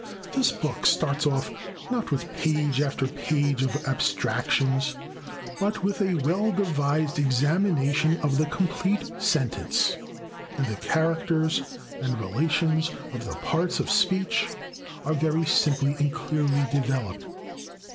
This book starts off, not with page after page of abstractions, but with a well devised examination of the complete sentence, and the characters and relations of the parts of speech are very simply and clearly developed.